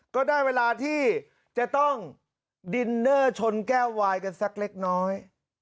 ก็ได้เวลาที่จะต้องดินเนอร์ชนแก้ววายกันสักเล็กน้อย